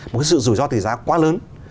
một sự rủi ro tỉ giá quá lớn